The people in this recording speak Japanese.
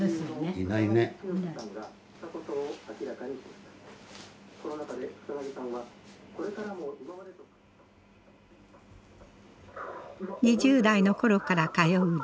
２０代の頃から通う理髪店。